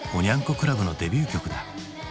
クラブのデビュー曲だ。